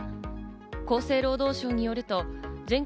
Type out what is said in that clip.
厚生労働省によると全国